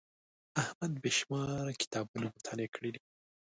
احمد بې شماره کتابونه مطالعه کړي دي.